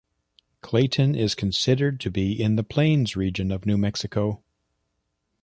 Clayton is considered to be in the Plains region of New Mexico.